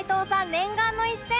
念願の一戦